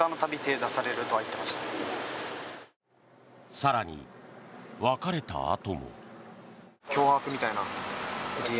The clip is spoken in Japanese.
更に、別れたあとも。